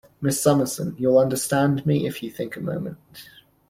Miss Summerson, you'll understand me, if you think a moment.